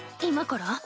今から？